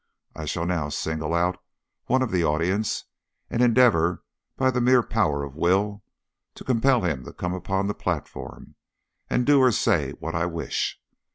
I shall now single out one of the audience, and endeavour 'by the mere power of will' to compel him to come upon the platform, and do and say what I wish.